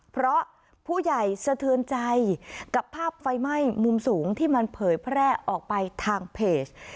เพราะผู้ใหญ่สะเทือนใจกับภาพไฟไหม้มุมสูงที่มันเผยแพร่ออกไปทางเพจ